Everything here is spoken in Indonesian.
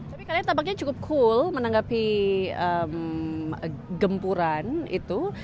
tapi kalian tampaknya cukup cool menanggapi gempuran itu